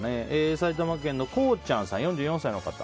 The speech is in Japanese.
埼玉県の４４歳の方。